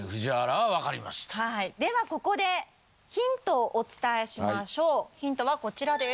はいではここでヒントをお伝えしましょうヒントはこちらです